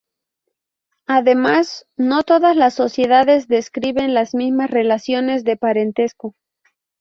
Además, no todas las sociedades describen las mismas relaciones de parentesco.